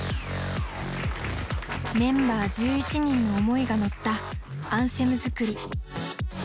メンバー１１人の思いが乗ったアンセム作り。